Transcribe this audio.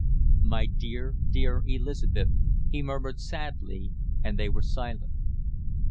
"My dear, dear Elizabeth!" he murmured sadly, and they were silent.